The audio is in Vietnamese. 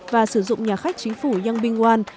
và sử dụng nhà khách chính phủ yangpingwan